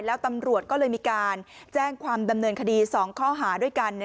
แล้วตำรวจก็เลยมีการแจ้งความดำเนินคดี๒ข้อหาด้วยกัน